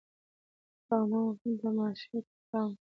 د پغمان غرونو تماشې ته پام وو.